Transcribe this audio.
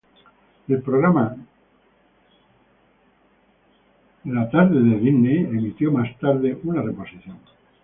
El programa The Disney Afternoon emitió más tarde una reposición.